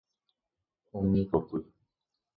Umi koty.